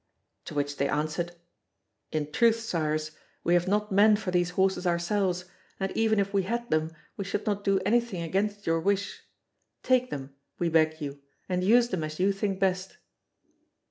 To which they answered: "In truth, Cyrus, we have not men for these horses ourselves, and even if we had them, we should not do anything against your wish. Take them, we beg you, and use them as you think best."